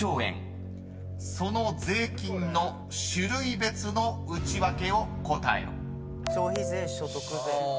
［その税金の種類別のウチワケを答えろ］